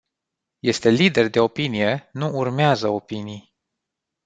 Este lider de opinie, nu urmează opinii.